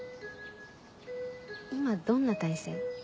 今どんな体勢？